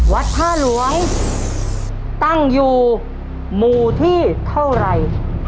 วัดท่าหลวงตั้งอยู่หมู่ที่เท่าไหร่